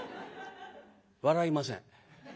笑いません。